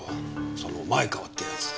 その前川って奴